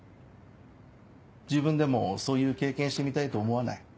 自分でもそういう経験してみたいと思わない？